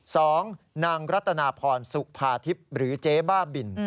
สองนางรัตนาพรสุภาทิพย์หรือเจ๊บ้าบิน